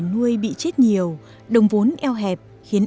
nuôi bị chết nhiều đồng vốn eo hẹp khiến